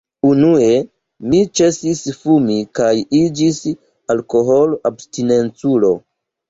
Unue mi ĉesis fumi kaj iĝis alkohol-abstinenculo.